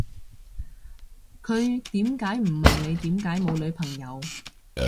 佢點解唔問你點解冇女朋友